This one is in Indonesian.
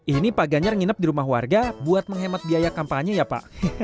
ini pak ganjar nginep di rumah warga buat menghemat biaya kampanye ya pak